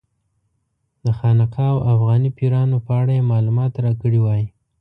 د خانقا او افغاني پیرانو په اړه یې معلومات راکړي وای.